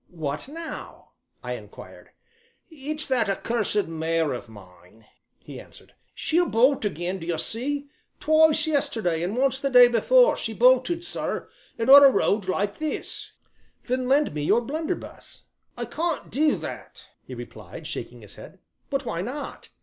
"What now?" I inquired. "It's this accursed mare of mine," he answered; "she'll bolt again, d'ye see twice yesterday and once the day before, she bolted, sir, and on a road like this " "Then lend me your blunderbuss." "I can't do that," he replied, shaking his head. "But why not?"